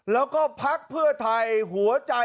แล้วก็พักเพื่อไทยหัวใจ